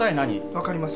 わかりません。